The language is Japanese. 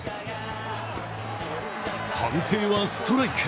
判定はストライク。